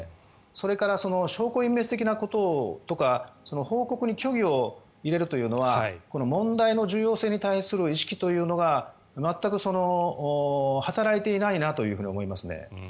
それから、証拠隠滅的なこととか報告に虚偽を入れるというのは問題の重要性に対する意識というのが全く働いていないなと思いますね。